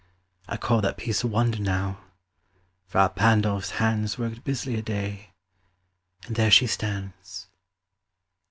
I call That piece a wonder, now: Fra Pandolf's hands Worked busily a day, and there she stands.